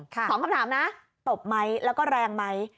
สองคำถามนะตบไหมแล้วก็แรงไหม